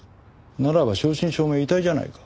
ならば正真正銘遺体じゃないか。